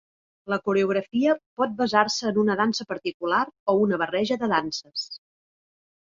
La coreografia pot basar-se en una dansa particular o una barreja de danses.